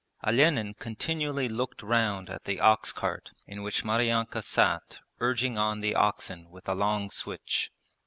Olenin continually looked round at the ox cart in which Maryanka sat urging on the oxen with a long switch.